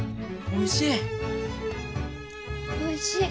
おいしい。